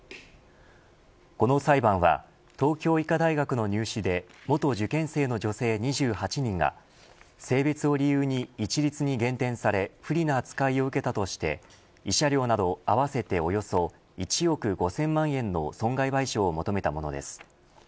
この裁判は東京医科大学の入試で元受験生の女性２８人が性別を理由に、一律に減点され不利な扱いを受けたとして慰謝料など合わせておよそ１億５０００万円の損害賠償を求めたものです。